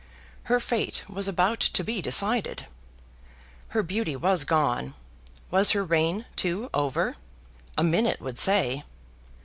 Her fate was about to be decided. Her beauty was gone was her reign, too, over? A minute would say.